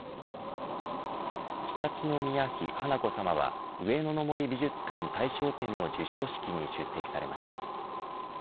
常陸宮妃華子さまは上野の森美術館大賞展の授賞式に出席されました。